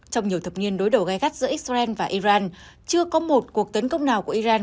trong nhiều thập niên đối đầu gai gắt giữa israel và iran chưa có một cuộc tấn công nào của iran